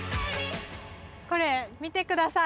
これ見て下さい。